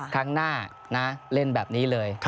ครั้งหน้านะเล่นแบบนี้เลย